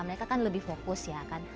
mereka kan lebih fokus ya kan